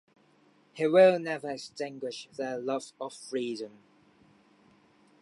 He will never extinguish their love of freedom.